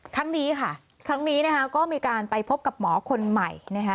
ครั้งนี้ค่ะครั้งนี้นะคะก็มีการไปพบกับหมอคนใหม่นะคะ